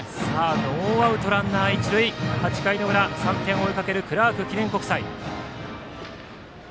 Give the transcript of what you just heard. ノーアウトランナー、一塁３点を追いかけるクラーク記念国際。